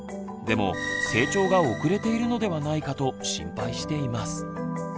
でも成長が遅れているのではないかと心配しています。